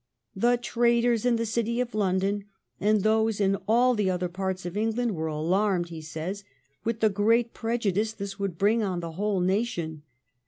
' The traders in the city of London and those in all the other parts of England were alarmed,' he tells us, ' with the great prejudice this would bring on the whole nation.